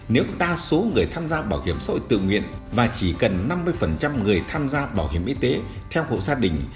nếu đa số người tham gia bảo hiểm xã hội tự nguyện và chỉ cần năm mươi người tham gia bảo hiểm y tế theo hộ gia đình